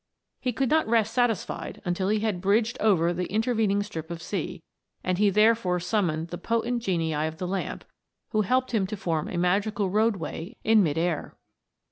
He could not rest satisfied until he had bridged over the intervening strip of sea ; and he therefore summoned the potent genii of the lamp, who helped him to form a magical roadway in mid air.